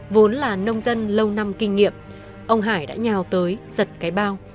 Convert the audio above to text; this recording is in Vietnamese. vốn là nông dân lâu năm kinh nghiệm ông hải đã nhào tới giật cái bao